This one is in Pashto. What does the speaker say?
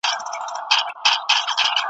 اوسيدل پکښي بچي میندي پلرونه .